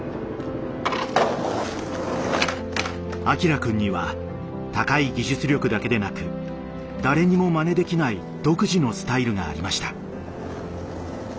アキラくんには高い技術力だけでなく誰にもまねできない独自のスタイルがありました。